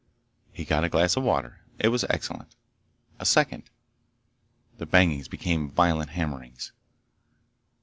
He got a glass of water. It was excellent. A second. The bangings became violent hammerings.